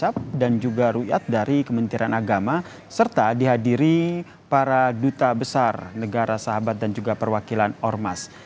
para duta besar negara sahabat dan juga perwakilan ormas